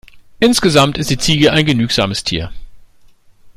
Insgesamt ist die Ziege ein genügsames Tier.